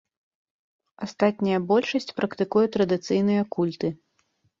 Астатняя большасць практыкуе традыцыйныя культы.